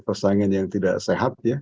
persaingan yang tidak sehat ya